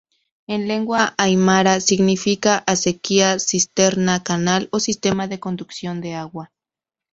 En lengua aimara, significa, acequia, cisterna, canal o sistema de conducción de agua.